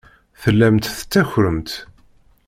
Tellamt tettakremt.